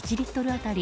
当たり